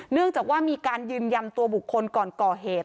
เนื่องจากว่ามีการยืนยันตัวบุคคลก่อนก่อเหตุ